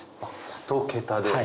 簾と桁で。